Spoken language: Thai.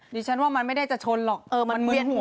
ดิฉันว่ามันไม่ได้จะชนหรอกมันเหมือนหัว